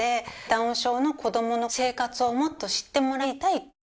ダウン症の子供の生活をもっと知ってもらいたい。